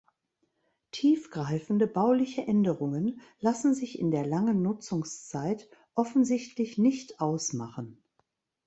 Tiefgreifende bauliche Änderungen lassen sich in der langen Nutzungszeit offensichtlich nicht ausmachen.